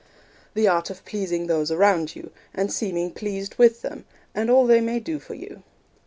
The art of pleasing those around you, and seeming pleased with them, and all they may do for you.